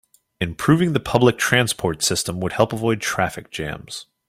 Improving the public transport system would help avoid traffic jams.